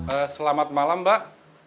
eh selamat malam mbak